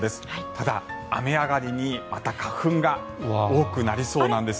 ただ雨上がりに、また花粉が多くなりそうなんです。